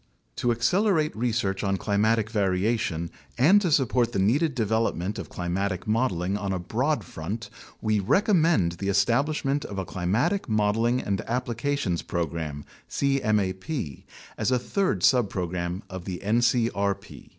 To accelerate research on climatic variation, and to support the needed development of climatic modeling on a broad front, we recom mend the establishment of a Climatic Modeling and Applications Pro gram (cmap) as a third subprogram of the ncrp.